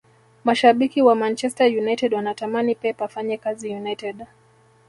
mashabiki wa manchester united wanatamani pep afanye kazi united